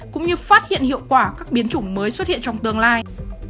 cũng như phát hiện hiệu quả các biến chủng mới xuất hiện trong tương lai